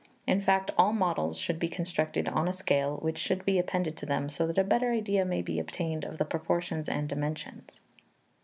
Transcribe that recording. In fact, all models should be constructed on a scale, which should be appended to them, so that a better idea may be obtained of the proportions and dimensions.